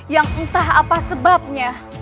yang entah apa sebabnya